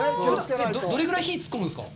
どれぐらい火に突っ込むんですか。